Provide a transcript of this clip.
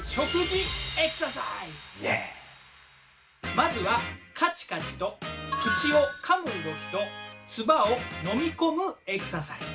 まずはカチカチと口をかむ動きと唾を飲みこむエクササイズ。